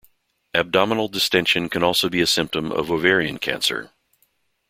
Abdominal distension can also be a symptom of ovarian cancer.